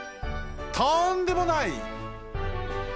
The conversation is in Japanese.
とんでもない！